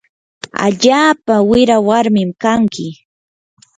allaapa wira warmin kanki.